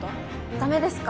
ダメですか？